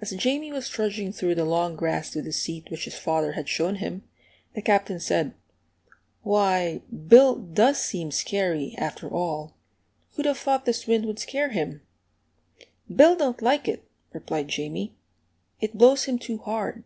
As Jamie was trudging through the long grass to the seat which his father had shown him, the Captain said, "Why, Bill does seem scary, after all; who'd have thought this wind would scare him?" "Bill don't like it," replied Jamie; "it blows him too hard."